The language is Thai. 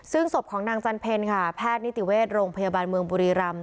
ซึ่งศพของนางจันเพลค่ะแพทย์นิติเวชโรงพยาบาลเมืองบุรีรำ